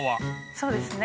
そうですね。